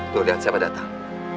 tuh lihat siapa datang